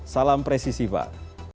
salam presisi pak